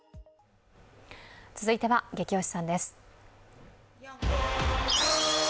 続いては「ゲキ推しさん」です。